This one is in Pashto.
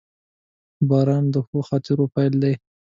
• باران د ښو خاطرو پیل دی.